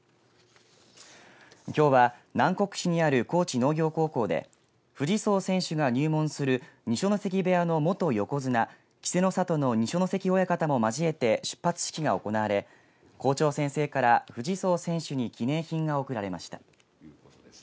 きょうは南国市にある高知農業高校で藤宗選手が入門する二所ノ関部屋の元横綱稀勢の里の二所ノ関親方も交えて出発式が行われ校長先生から藤宗選手に記念品が贈られました。